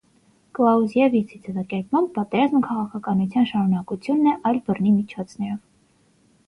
Կլաուզևիցի ձևակերպմամբ «պատերազմը քաղաքականության շարունակությունն է այլ բռնի միջոցներով»։